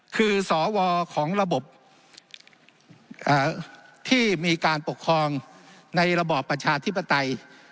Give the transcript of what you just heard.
คือสวของระบบที่มีการปกครองในระบอบประชาธิปไตย